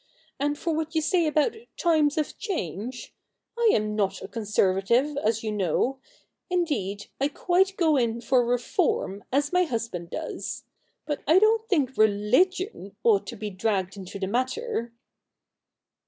And as for what you say about " times of change "— I am not a conservative, as you know — indeed, I quite go in for reform, as my husband does : but I don't think religioji ought to be dragged into the matter.'